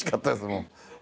もう。